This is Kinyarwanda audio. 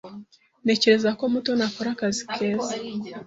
Ntekereza ko Mutoni akora akazi keza.